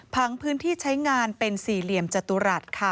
พังพื้นที่ใช้งานเป็นสี่เหลี่ยมจตุรัสค่ะ